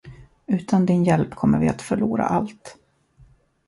Utan din hjälp kommer vi att förlora allt.